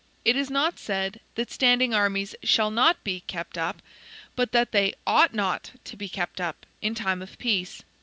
It is not said, that standing armies SHALL NOT BE kept up, but that they OUGHT NOT to be kept up, in time of peace.